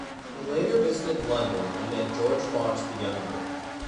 He later visited London and met George Fox the younger.